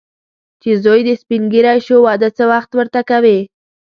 چې زوی دې سپین ږیری شو، واده څه وخت ورته کوې.